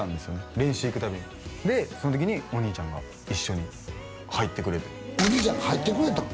練習行くたびにでその時にお兄ちゃんが一緒に入ってくれてお兄ちゃんが入ってくれたん？